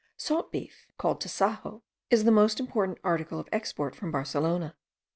Salt beef, called tasajo, is the most important article of export from Barcelona.